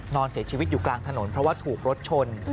นอนเสียชีวิตอยู่กลางถนนเพราะว่าถูกรถชน